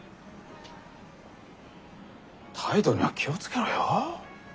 態度には気を付けろよ。